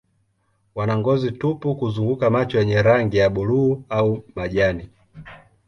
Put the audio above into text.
Wana ngozi tupu kuzunguka macho yenye rangi ya buluu au majani.